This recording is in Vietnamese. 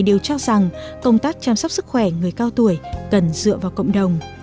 đều cho rằng công tác chăm sóc sức khỏe người cao tuổi cần dựa vào cộng đồng